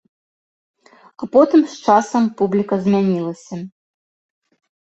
А потым з часам публіка змянілася.